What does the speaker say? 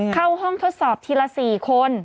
เข้าห้องทดสอบทีละ๔คน